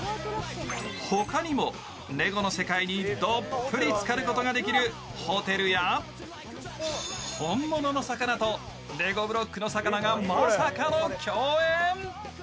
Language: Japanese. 他にもレゴの世界にどっぷりつかることができるホテルや本物の魚とレゴブロックの魚がまさかの共演！